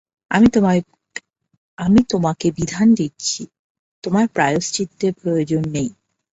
আমি তোমাকে বিধান দিচ্ছি, তোমার প্রায়শ্চিত্তের প্রয়োজন নেই।